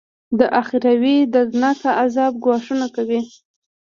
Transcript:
د اخروي دردناکه عذاب ګواښونه کوي.